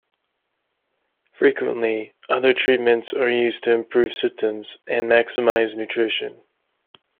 Frequently, other treatments are used to improve symptoms and maximize nutrition.